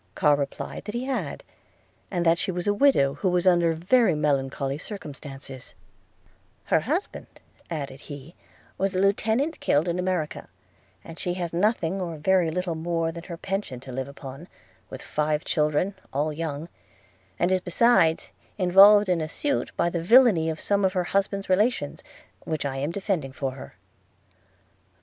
Carr replied that he had, and that she was a widow who was under very melancholy circumstances: 'Her husband,' added he, 'was a lieutenant, killed in America, and she has nothing or very little more than her pension to live upon, with five children, all young; and is besides involved in a suit by the villany of some of her husband's relations, which I am defending for her.'